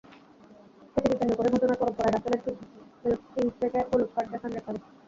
সেটিকে কেন্দ্র করে ঘটনার পরম্পরায় রাসেলের কিংসলেকে হলুদ কার্ড দেখান রেফারি।